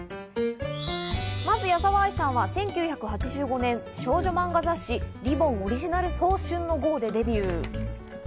まず矢沢あいさんは１９８５年少女漫画雑誌『りぼん』オリジナル早春の号でデビュー。